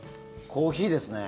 コーヒーですね。